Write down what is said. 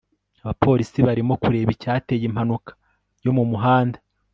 abapolisi barimo kureba icyateye impanuka yo mu muhanda